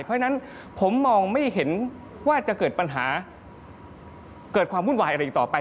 เพราะฉะนั้นผมมองไม่เห็นว่าจะเกิดปัญหาเกิดความวุ่นวายอะไรอีกต่อไป